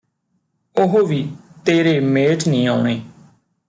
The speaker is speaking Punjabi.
ਉਹ ਵੀ ਤੇਰੇ ਮੇਚ ਨੀ ਆਉਣੇ